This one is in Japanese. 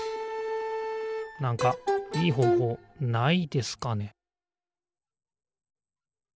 なんかいいほうほうないですかね